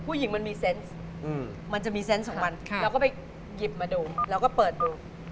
มันมีเซนต์มันจะมีเซนต์ของมันเราก็ไปหยิบมาดูแล้วก็เปิดดู